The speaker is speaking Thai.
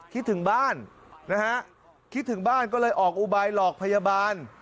คิดถึงบ้านนะฮะคิดถึงบ้านก็เลยออกอุบายหลอกพยาบาล